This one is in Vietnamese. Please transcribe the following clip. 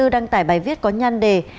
đăng tải bài viết có nhăn đề